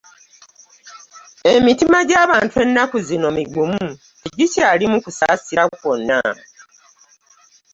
Emitima gy'abantu ennaku zino migumu tegikyalimu kusaasira kwonna.